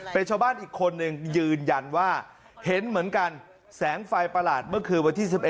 เป็นชาวบ้านอีกคนนึงยืนยันว่าเห็นเหมือนกันแสงไฟประหลาดเมื่อคืนวันที่๑๑